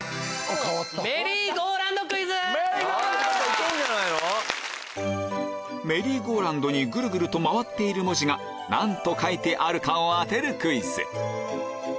メリーゴーラウンドにぐるぐると回っている文字が何と書いてあるかを当てるクイズ